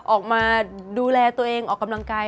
ออกมาดูแลตัวเองออกกำลังกาย